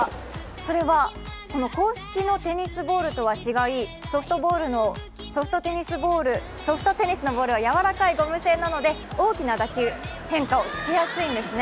それは公式のテニスボールトは違い、ソフトテニスのボールはやわらかいゴム製なので大きな打球、変化をつけやすいんですね。